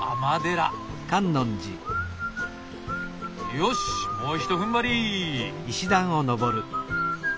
よしもうひと踏ん張り！